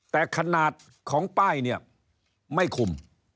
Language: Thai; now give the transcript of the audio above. แต่ขนาดของป้ายเนี่ยไม่คุม